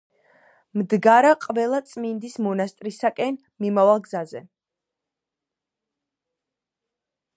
მდგარა ყველაწმინდის მონასტრისაკენ მიმავალ გზაზე.